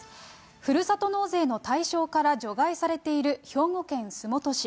ふるさと納税の対象から除外されている兵庫県洲本市。